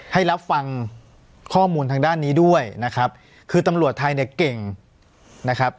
ให้รับฟังข้อมูลทางด้านนี้ด้วยนะครับคือตำรวจไทยเนี่ยเก่งนะครับ